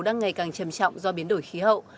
đang ngày càng trầm trọng do biến đổi khí hậu